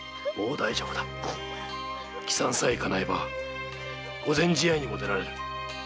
帰参さえかなえば御前試合にも出られる。